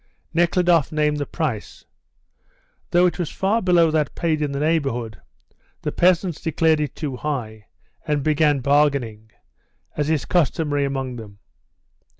Nekhludoff named the price. Though it was far below that paid in the neighbourhood, the peasants declared it too high, and began bargaining, as is customary among them.